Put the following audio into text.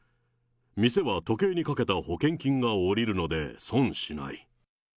店は時計にかけた保険金が下りるので損しない。